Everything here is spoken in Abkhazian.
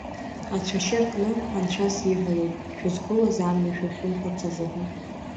Ацәашьы аркны, Анцәа сиҳәалоит, шәызқәылаз амҩа шәахьымхәырц азыҳәан.